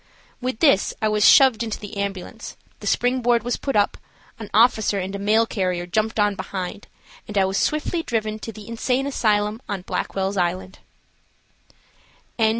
With this I was shoved into the ambulance, the springboard was put up, an officer and a mail carrier jumped on behind, and I was swiftly driven to the Insane Asylum on Blackwell's Island.